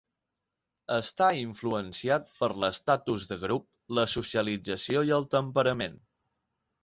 Està influenciat per l'estatus de grup, la socialització i el temperament.